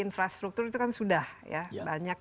infrastruktur itu kan sudah ya banyak